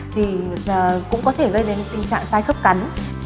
thì cũng có thể gây nên tình trạng sai khớp cắn